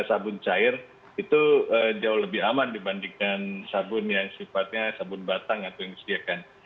sabun cair itu jauh lebih aman dibandingkan sabun yang sifatnya sabun batang atau yang disediakan